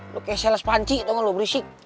lu kayak sales panci tau nggak lu berisik